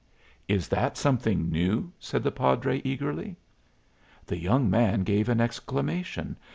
"Is that something new?" said the padre, eagerly. The young man gave an exclamation.